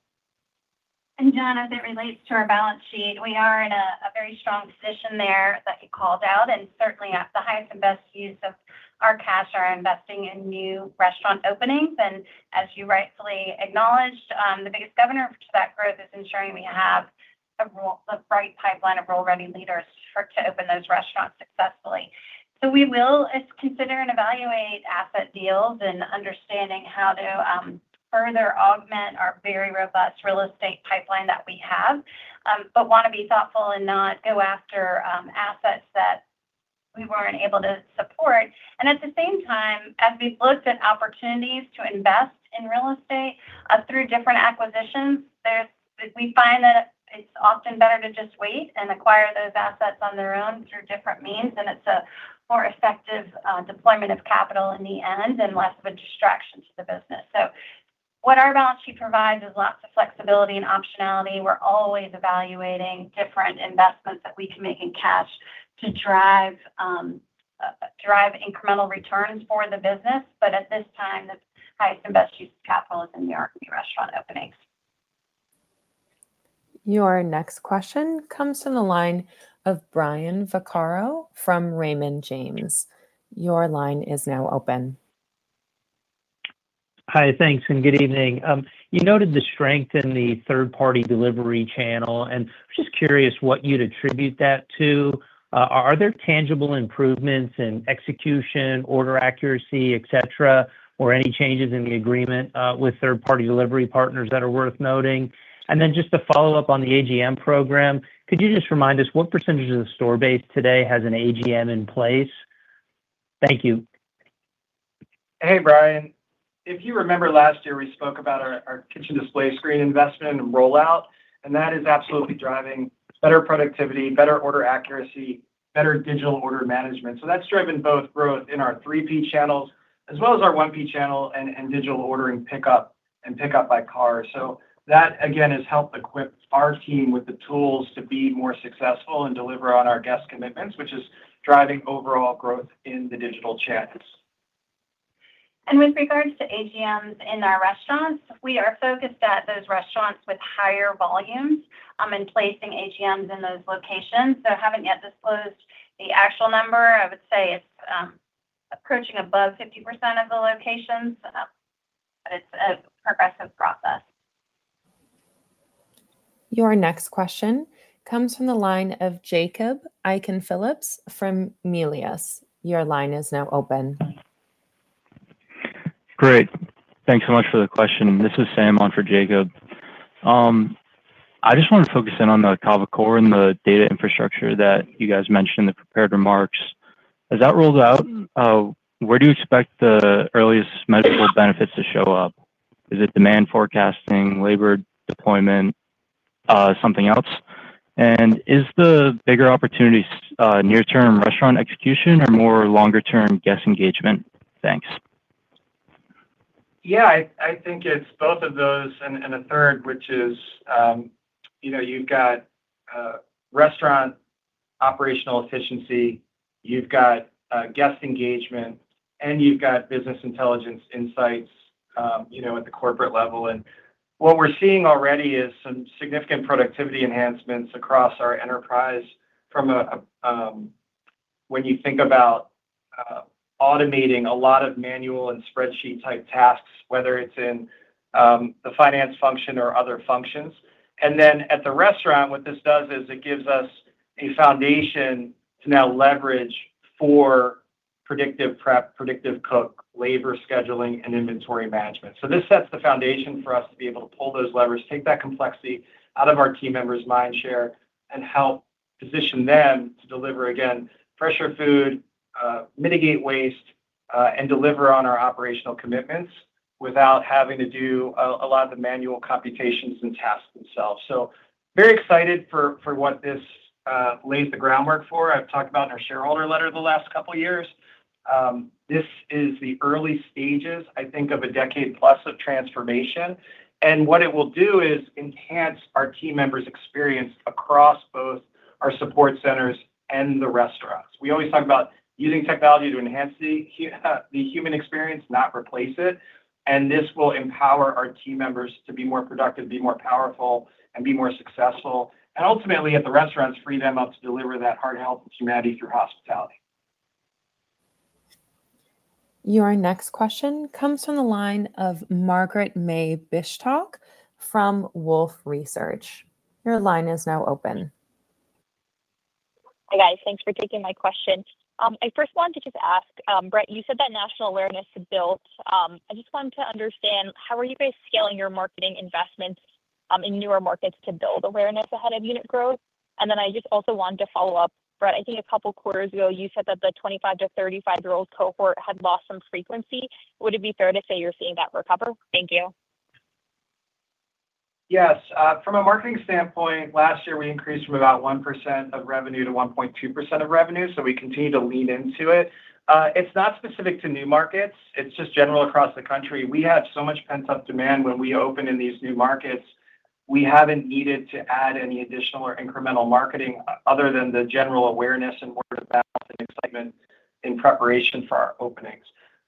John, as it relates to our balance sheet, we are in a very strong position there that you called out, certainly at the highest and best use of our cash or investing in new restaurant openings. As you rightfully acknowledged, the biggest governor to that growth is ensuring we have a bright pipeline of role-ready leaders to open those restaurants successfully. We will consider and evaluate asset deals and understanding how to further augment our very robust real estate pipeline that we have. wanna be thoughtful and not go after assets that we weren't able to support. At the same time, as we've looked at opportunities to invest in real estate, through different acquisitions, we find that it's often better to just wait and acquire those assets on their own through different means, and it's a more effective deployment of capital in the end and less of a distraction to the business. What our balance sheet provides is lots of flexibility and optionality. We're always evaluating different investments that we can make in cash to drive incremental returns for the business. At this time, the highest and best use of capital is in New York, new restaurant openings. Your next question comes from the line of Brian Vaccaro from Raymond James. Your line is now open. Hi, thanks, and good evening. You noted the strength in the third party delivery channel, and I'm just curious what you'd attribute that to. Are there tangible improvements in execution, order accuracy, et cetera, or any changes in the agreement with third party delivery partners that are worth noting? Then just to follow up on the AGM program, could you just remind us what percentage of the store base today has an AGM in place? Thank you. Hey, Brian. If you remember last year, we spoke about our kitchen display system investment rollout. That is absolutely driving better productivity, better order accuracy, better digital order management. That's driven both growth in our 3P channels as well as our 1P channel and digital ordering pickup and pick up by car. That, again, has helped equip our team with the tools to be more successful and deliver on our guest commitments, which is driving overall growth in the digital channels. With regards to AGMs in our restaurants, we are focused at those restaurants with higher volumes in placing AGMs in those locations. Haven't yet disclosed the actual number. I would say it's approaching above 50% of the locations, but it's a progressive process. Your next question comes from the line of Jacob Aiken-Phillips from Melius. Your line is now open. Great. Thanks so much for the question. This is Sam on for Jacob. I just want to focus in on the Cava Core and the data infrastructure that you guys mentioned in the prepared remarks. As that rolls out, where do you expect the earliest measurable benefits to show up? Is it demand forecasting, labor deployment, something else? Is the bigger opportunity near term restaurant execution or more longer term guest engagement? Thanks. Yeah, I think it's both of those and a third, which is, you know, you've got restaurant operational efficiency, you've got guest engagement, and you've got business intelligence insights, you know, at the corporate level. What we're seeing already is some significant productivity enhancements across our enterprise from a, when you think about automating a lot of manual and spreadsheet type tasks, whether it's in the finance function or other functions. Then at the restaurant, what this does is it gives us a foundation to now leverage for predictive prep, predictive cook, labor scheduling, and inventory management. This sets the foundation for us to be able to pull those levers, take that complexity out of our team members' mind share, and help position them to deliver, again, fresher food, mitigate waste, and deliver on our operational commitments without having to do a lot of the manual computations and tasks themselves. Very excited for what this lays the groundwork for. I've talked about in our shareholder letter the last couple years. This is the early stages, I think of a decade plus of transformation. What it will do is enhance our team members' experience across both our support centers and the restaurants. We always talk about using technology to enhance the human experience, not replace it. This will empower our team members to be more productive, be more powerful, and be more successful. Ultimately, at the restaurants, free them up to deliver that heart health and humanity through hospitality. Your next question comes from the line of Margaret-May Binshtok from Wolfe Research. Your line is now open. Hi, guys. Thanks for taking my question. I first wanted to just ask, Brett, you said that national awareness had built. I just wanted to understand how are you guys scaling your marketing investments in newer markets to build awareness ahead of unit growth? I just also wanted to follow up, Brett, I think a couple quarters ago, you said that the 25-35-year-old cohort had lost some frequency. Would it be fair to say you're seeing that recover? Thank you. Yes. From a marketing standpoint, last year we increased from about 1% of revenue to 1.2% of revenue. We continue to lean into it. It's not specific to new markets. It's just general across the country. We have so much pent-up demand when we open in these new markets. We haven't needed to add any additional or incremental marketing other than the general awareness and word of mouth and excitement in preparation for our openings.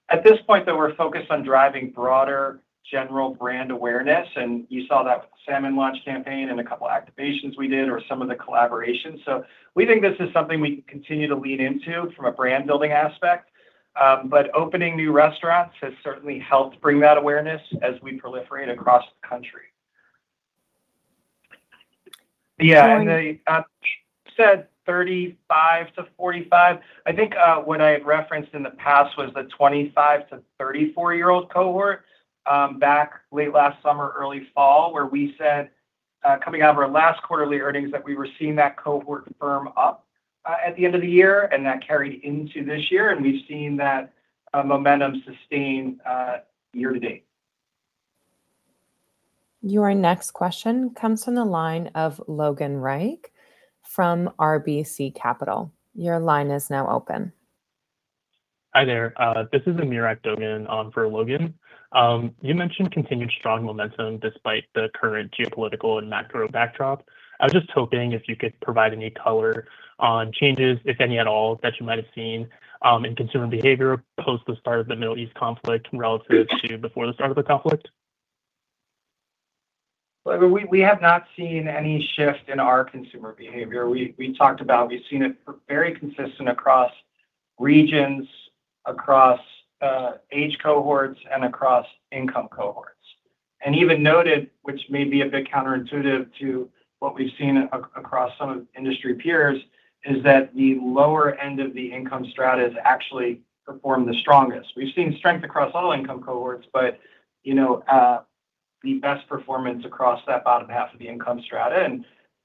At this point, though, we're focused on driving broader general brand awareness, and you saw that with the salmon launch campaign and a couple activations we did or some of the collaborations. We think this is something we can continue to lean into from a brand building aspect. Opening new restaurants has certainly helped bring that awareness as we proliferate across the country. Yeah, they said 35 to 45. I think what I had referenced in the past was the 25 to 34-year-old cohort back late last summer, early fall, where we said, coming out of our last quarterly earnings, that we were seeing that cohort firm up at the end of the year, and that carried into this year, and we've seen that momentum sustain year to date. Your next question comes from the line of Logan Reich from RBC Capital. Your line is now open. Hi there. This is Emir Akdogan on for Logan. You mentioned continued strong momentum despite the current geopolitical and macro backdrop. I was just hoping if you could provide any color on changes, if any at all, that you might have seen in consumer behavior post the start of the Middle East conflict relative to before the start of the conflict. Well, we have not seen any shift in our consumer behavior. We talked about we've seen it very consistent across regions, across age cohorts, and across income cohorts. Even noted, which may be a bit counterintuitive to what we've seen across some of industry peers, is that the lower end of the income strata has actually performed the strongest. We've seen strength across all income cohorts, you know, the best performance across that bottom half of the income strata.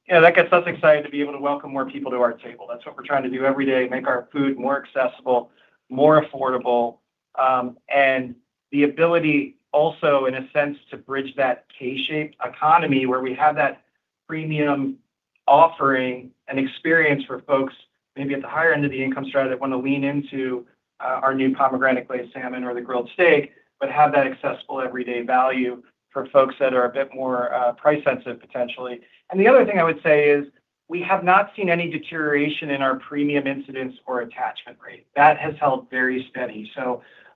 You know, that gets us excited to be able to welcome more people to our table. That's what we're trying to do every day, make our food more accessible, more affordable, and the ability also, in a sense, to bridge that K-shape economy where we have that premium offering and experience for folks maybe at the higher end of the income strata that wanna lean into our new Pomegranate Glazed Salmon or the Grilled Steak, but have that accessible everyday value for folks that are a bit more price sensitive, potentially. The other thing I would say is we have not seen any deterioration in our premium incidence or attachment rate. That has held very steady.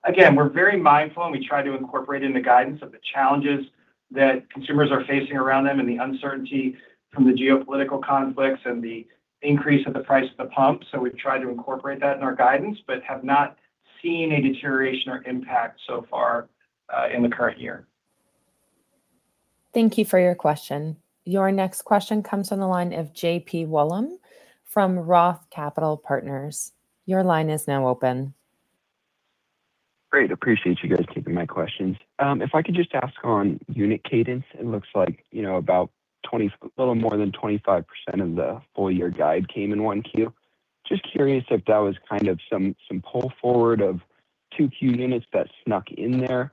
Again, we're very mindful, and we try to incorporate in the guidance of the challenges that consumers are facing around them and the uncertainty from the geopolitical conflicts and the increase of the price of the pump. We've tried to incorporate that in our guidance, but have not seen a deterioration or impact so far, in the current year. Thank you for your question. Your next question comes from the line of J.P. Wollam from Roth Capital Partners. Great. Appreciate you guys taking my questions. If I could just ask on unit cadence, it looks like, you know, a little more than 25% of the full year guide came in 1Q. Just curious if that was kind of some pull forward of 2Q units that snuck in there,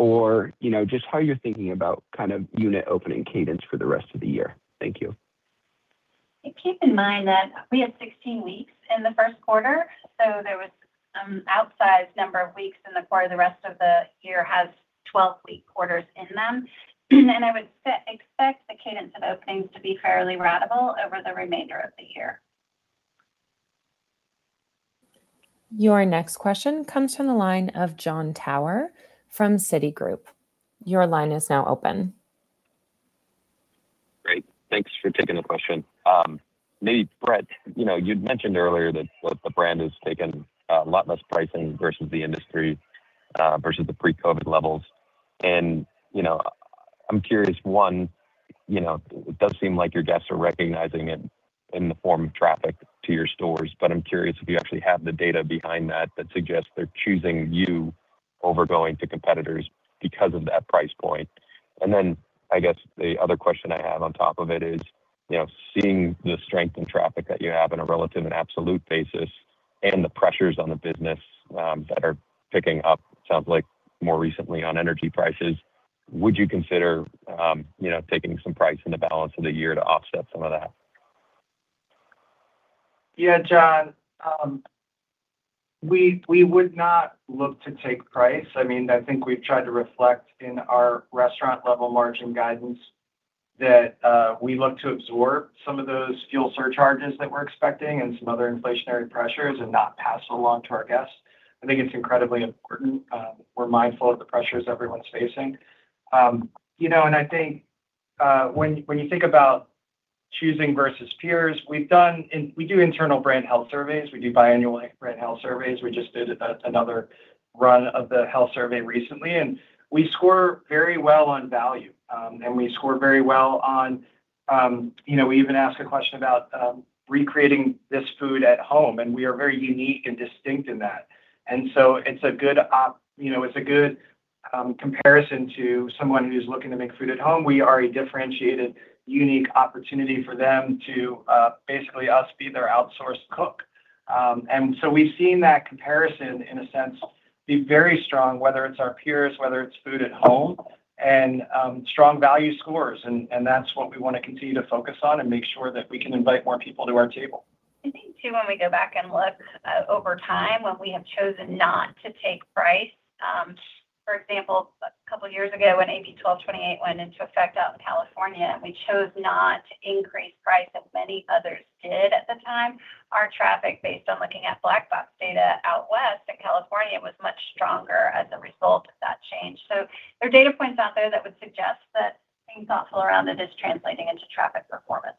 or, you know, just how you're thinking about kind of unit opening cadence for the rest of the year. Thank you. Keep in mind that we had 16 weeks in the first quarter, so there was some outsized number of weeks in the quarter. The rest of the year has 12-week quarters in them. I would expect the cadence of openings to be fairly ratable over the remainder of the year. Your next question comes from the line of Jon Tower from Citigroup. Your line is now open. Thanks for taking the question. Maybe Brett, you know, you'd mentioned earlier that the brand has taken a lot less pricing versus the industry versus the pre-COVID levels. You know, I'm curious, one, you know, it does seem like your guests are recognizing it in the form of traffic to your stores, but I'm curious if you actually have the data behind that that suggests they're choosing you over going to competitors because of that price point. I guess the other question I have on top of it is, you know, seeing the strength in traffic that you have on a relative and absolute basis and the pressures on the business that are picking up, sounds like more recently on energy prices, would you consider, you know, taking some price in the balance of the year to offset some of that? Yeah, Jon. We would not look to take price. I mean, I think we've tried to reflect in our restaurant level margin guidance that we look to absorb some of those fuel surcharges that we're expecting and some other inflationary pressures and not pass along to our guests. I think it's incredibly important. We're mindful of the pressures everyone's facing. You know, I think when you think about choosing versus peers, we do internal brand health surveys. We do biannual brand health surveys. We just did another run of the health survey recently, and we score very well on value. We score very well on, you know, we even ask a question about recreating this food at home, and we are very unique and distinct in that. It's a good, you know, it's a good comparison to someone who's looking to make food at home. We are a differentiated unique opportunity for them to basically us be their outsourced cook. We've seen that comparison in a sense, be very strong, whether it's our peers, whether it's food at home and strong value scores. That's what we want to continue to focus on and make sure that we can invite more people to our table. I think too, when we go back and look over time, when we have chosen not to take price, for example, a couple of years ago when AB 1228 went into effect out in California, we chose not to increase price as many others did at the time. Our traffic, based on looking at Black Box data out west in California, was much stronger as a result of that change. There are data points out there that would suggest that being thoughtful around it is translating into traffic performance.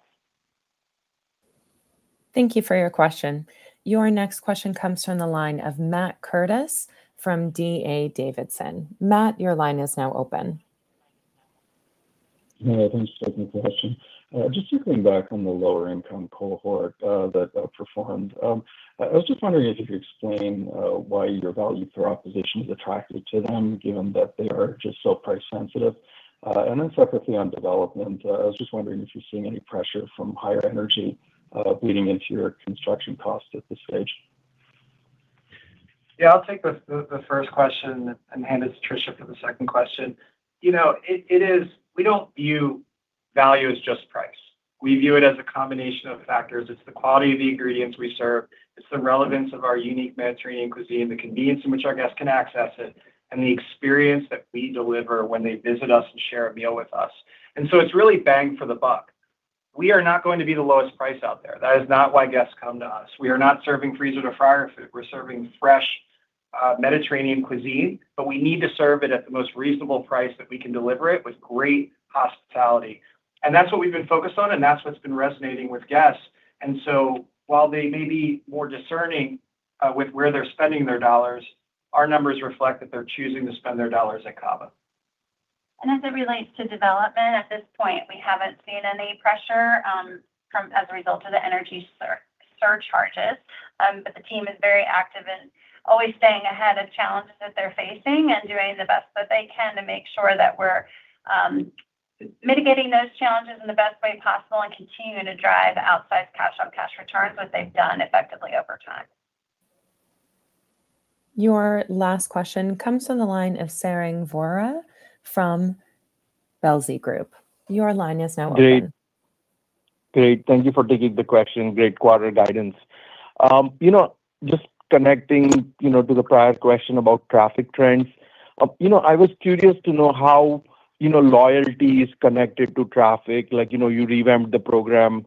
Thank you for your question. Your next question comes from the line of Matt Curtis from D.A. Davidson. Matt, your line is now open. Yeah, thanks for taking the question. Just circling back on the lower income cohort that performed. I was just wondering if you could explain why your value proposition is attractive to them given that they are just so price sensitive. Separately on development, I was just wondering if you're seeing any pressure from higher energy bleeding into your construction costs at this stage. Yeah, I'll take the first question and hand it to Tricia for the second question. You know, we don't view value as just price. We view it as a combination of factors. It's the quality of the ingredients we serve. It's the relevance of our unique Mediterranean cuisine, the convenience in which our guests can access it, and the experience that we deliver when they visit us and share a meal with us. It's really bang for the buck. We are not going to be the lowest price out there. That is not why guests come to us. We are not serving freezer to fryer food. We're serving fresh Mediterranean cuisine, we need to serve it at the most reasonable price that we can deliver it with great hospitality. That's what we've been focused on, and that's what's been resonating with guests. While they may be more discerning, with where they're spending their dollars, our numbers reflect that they're choosing to spend their dollars at Cava. As it relates to development, at this point, we haven't seen any pressure, from as a result of the energy surcharges. The team is very active in always staying ahead of challenges that they're facing and doing the best that they can to make sure that we're mitigating those challenges in the best way possible and continuing to drive outsized cash-on-cash returns, what they've done effectively over time. Your last question comes from the line of Sarang Vora from Telsey Group. Your line is now open. Great. Thank you for taking the question. Great quarter guidance. You know, just connecting, you know, to the prior question about traffic trends, you know, I was curious to know how, you know, loyalty is connected to traffic. Like, you know, you revamped the program,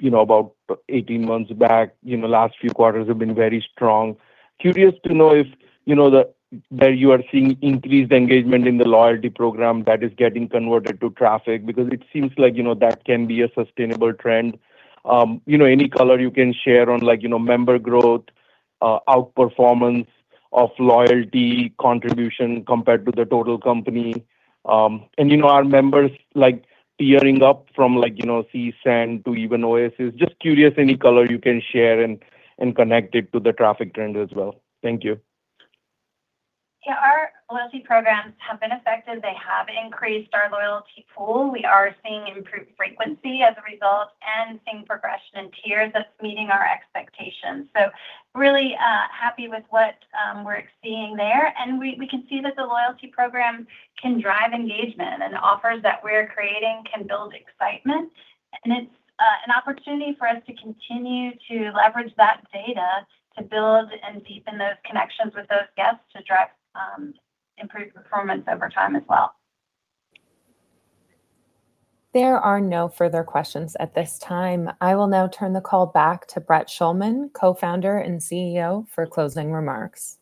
you know, about 18 months back. You know, the last few quarters have been very strong. Curious to know if, you know, you are seeing increased engagement in the loyalty program that is getting converted to traffic because it seems like, you know, that can be a sustainable trend. You know, any color you can share on like, you know, member growth, outperformance of loyalty contribution compared to the total company. You know, are members like tiering up from like, you know, Sea, Sand to even Oasis? Just curious any color you can share and connect it to the traffic trend as well. Thank you. Our loyalty programs have been effective. They have increased our loyalty pool. We are seeing improved frequency as a result and seeing progression in tiers that's meeting our expectations. Really, happy with what we're seeing there. We can see that the loyalty program can drive engagement and offers that we're creating can build excitement. It's an opportunity for us to continue to leverage that data to build and deepen those connections with those guests to drive improved performance over time as well. There are no further questions at this time. I will now turn the call back to Brett Schulman, Co-Founder and CEO, for closing remarks.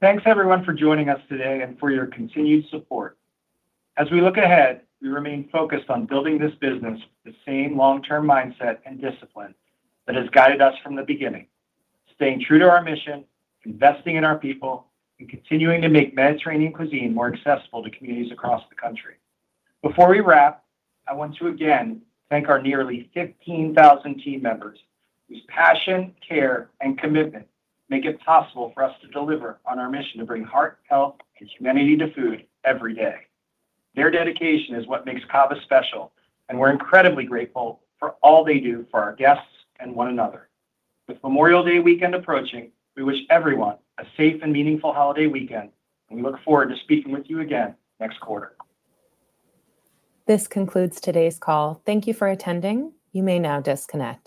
Thanks, everyone, for joining us today and for your continued support. As we look ahead, we remain focused on building this business with the same long-term mindset and discipline that has guided us from the beginning. Staying true to our mission, investing in our people, and continuing to make Mediterranean cuisine more accessible to communities across the country. Before we wrap, I want to again thank our nearly 15,000 team members whose passion, care, and commitment make it possible for us to deliver on our mission to bring heart, health, and humanity to food every day. Their dedication is what makes Cava special, and we're incredibly grateful for all they do for our guests and one another. With Memorial Day weekend approaching, we wish everyone a safe and meaningful holiday weekend, and we look forward to speaking with you again next quarter. This concludes today's call. Thank you for attending. You may now disconnect.